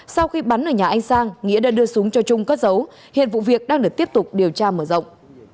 sau khi bắn ở nhà anh sang nghĩa đã đưa súng cho trung cất giấu hiện vụ việc đang được tiếp tục điều tra mở rộng